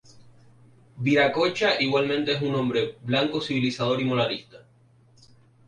Viracocha igualmente es un hombre blanco civilizador y moralista.